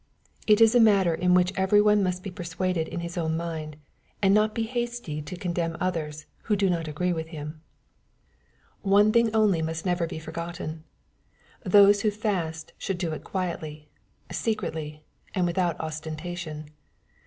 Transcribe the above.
— It is a matter in which every one must be per suaded in his own mind, and not be hasty to condemn 66 EZP08ITOBT THOUOHT8. otheiB, who do not agree with him. — One thing only most never be forgotten. Those who fast should do it quietlj, secretly^ and without ostentation.